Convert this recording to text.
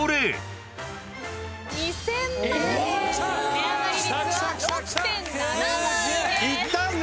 値上がり率は６．７倍です。